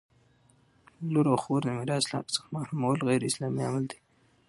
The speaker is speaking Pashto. لور او خور د میراث له حق څخه محرومول غیراسلامي عمل دی!